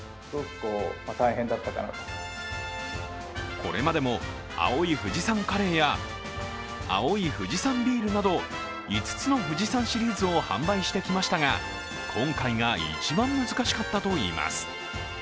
これまでも青い富士山カレーや青い富士山ビールなど５つの富士山シリーズを販売してきましたが今回が一番難しかったといいます。